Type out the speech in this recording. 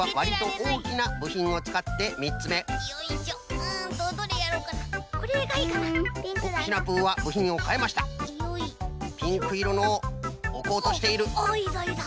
おっいいぞいいぞ。